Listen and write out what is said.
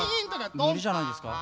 むりじゃないんですか？